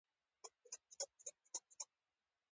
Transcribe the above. هنګ په سمنګان کې کیږي